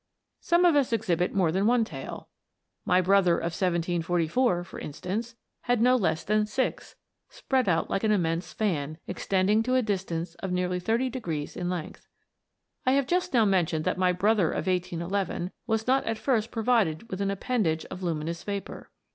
Some of us exhibit more than one tail. My A TALE OF A COMET. 203 brother of 1744, for instance, had no less than six, spread out like an immense fan, extending to a dis tance of nearly 30 degrees in length. I have just now mentioned that my brother of 1811 was not at first provided with an appendage of luminous vapour.